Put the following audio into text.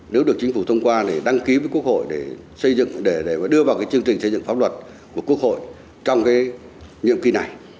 nếu được chính phủ thông qua thì đăng ký với quốc hội để đưa vào cái chương trình xây dựng pháp luật của quốc hội trong cái nhiệm kỳ này